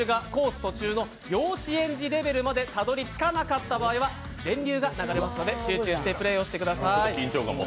途中の幼稚園児レベルまでたどりつかなった場合はでんりゅうが流れますので集中してプレーしてください。